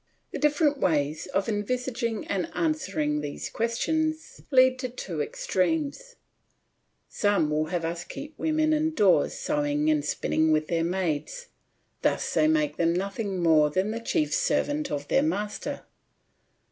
The different ways of envisaging and answering these questions lead to two extremes; some would have us keep women indoors sewing and spinning with their maids; thus they make them nothing more than the chief servant of their master.